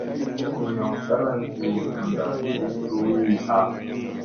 Goriyoŋ salana hu sunda ki su ii ha.